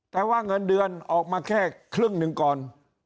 แต่ว่าเงินเดือนออกมาแค่ครึ่งหนึ่งก่อน